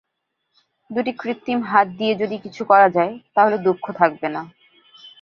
দুটি কৃত্রিম হাত দিয়ে যদি কিছু করা যায়, তাহলে দুঃখ থাকবে না।